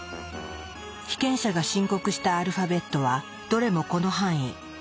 被験者が申告したアルファベットはどれもこの範囲。